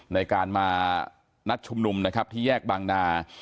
ในการมานัดชุมนุมที่แยกบางดา